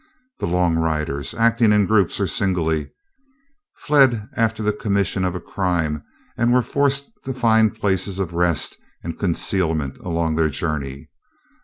The "long riders," acting in groups or singly, fled after the commission of a crime and were forced to find places of rest and concealment along their journey.